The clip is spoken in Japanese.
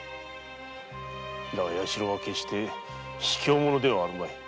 だが弥四郎は決してひきょう者ではあるまい。